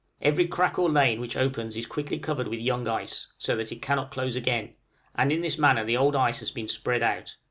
Every crack or lane which opens is quickly covered with young ice, so that it cannot close again; and in this manner the old ice has been spread out.